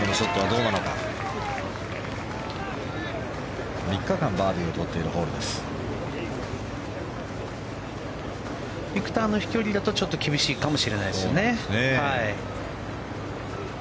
ビクトルの飛距離だとちょっと厳しいかもしれないですね。